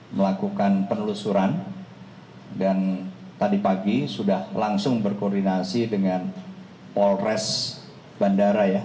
melakukan penelusuran dan tadi pagi sudah langsung berkoordinasi dengan polres bandara ya